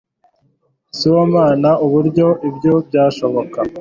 Simbona uburyo ibyo byashoboka